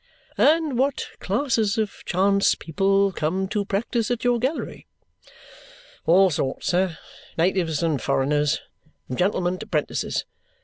"And what classes of chance people come to practise at your gallery?" "All sorts, sir. Natives and foreigners. From gentlemen to 'prentices.